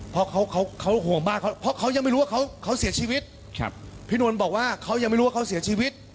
เพราะเขาเขาห่วงมากเพราะเขายังไม่รู้ว่าเขาเสียชีวิตพี่นนท์บอกว่าเขายังไม่รู้ว่าเขาเสียชีวิต